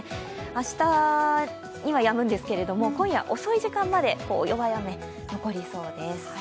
明日にはやむんですが今夜遅い時間まで弱い雨、残りそうです。